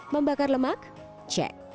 membakar lemak cek